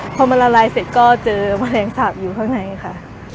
พอมันละลายเสร็จก็เจอแมลงสาปอยู่ข้างในค่ะ